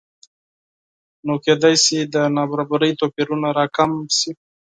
نو کېدای شي د نابرابرۍ توپیرونه راکم شي